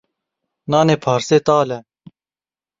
Nanê parsê tal e.